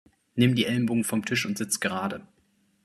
Nimm die Ellbogen vom Tisch und sitz gerade!